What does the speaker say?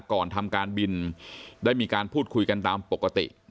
ก่อนทำการบินได้มีการพูดคุยกันตามปกติ